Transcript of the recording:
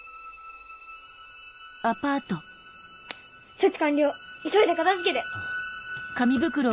処置完了急いで片付けて！